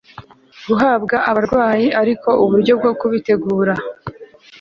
guhabwa abarwayi ariko uburyo bwo kubitegura